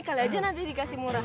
kali aja nanti dikasih murah